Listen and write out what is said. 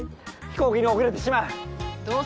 飛行機に遅れてしまう。